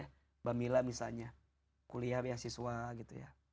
mbak mila misalnya kuliah beasiswa gitu ya